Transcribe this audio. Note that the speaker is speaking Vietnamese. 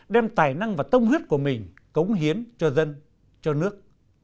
đem tài năng và tâm huyết của mình cống hiến cho dân cho nước